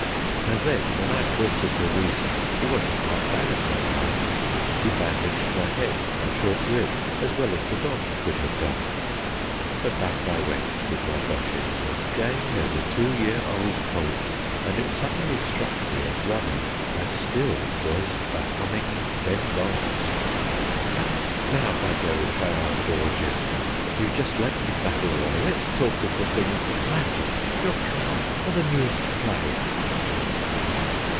And then when I'd brought him to reason, he wasn't half bad, that Hun; He bandaged my head and my short rib as well as the Doc could have done. So back I went with my Boches, as gay as a two year old colt, And it suddenly struck me as rummy, I still was a humming "Ben Bolt". And now, by Jove! how I've bored you. You've just let me babble away; Let's talk of the things that MATTER your car or the newest play.